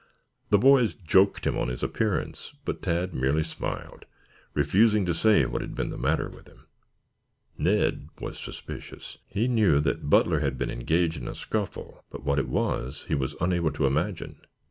The boys joked him on his appearance, but Tad merely smiled, refusing to say what had been the matter with him. Ned was suspicious. He knew that Butler had been engaged in a scuffle, but what it was he was unable to imagine.